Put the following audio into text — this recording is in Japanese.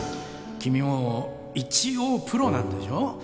君も一応プロなんでしょう？